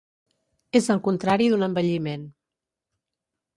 És el contrari d'un embelliment.